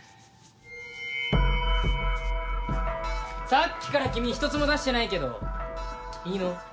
さっきから君１つも出してないけどいいの？